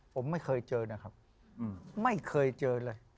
ผมไม่เคยเจอนะครับไม่เคยเจอเลย